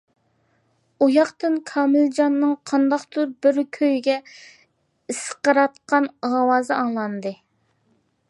ئۇياقتىن كامىلجاننىڭ قانداقتۇر بىر كۈيگە ئىسقىرتقان ئاۋازى ئاڭلاندى.